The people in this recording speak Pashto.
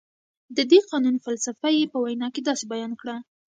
د دې قانون فلسفه یې په وینا کې داسې بیان کړه.